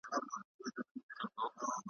د یوې برخي یوه ویډیو را ولېږله `